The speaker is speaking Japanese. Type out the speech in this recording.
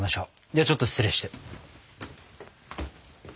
ではちょっと失礼して。